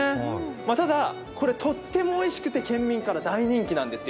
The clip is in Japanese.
ただ、これ、とってもおいしくて、県民から大人気なんですよ。